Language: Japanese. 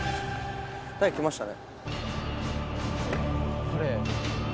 誰か来ましたね。